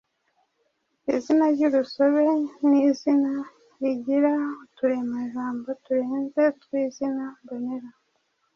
Izina ry’urusobe ni izina rigira uturemajambo turenze utw’izina mbonera.